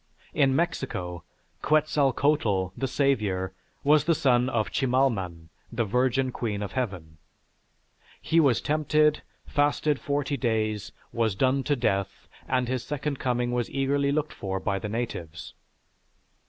In Mexico, Quetzalcoatl, the savior, was the son of Chimalman, the Virgin Queen of Heaven. He was tempted, fasted forty days, was done to death, and his second coming was eagerly looked for by the natives.